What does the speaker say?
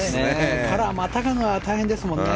カラー、またぐのは大変ですもんね。